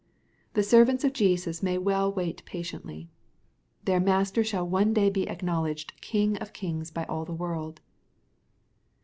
^ The servants of Jesus may well wait patiently. Their master shall one day be acknowledged King of kings by all the world.